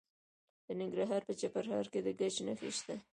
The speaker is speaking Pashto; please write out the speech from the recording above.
د ننګرهار په چپرهار کې د ګچ نښې شته.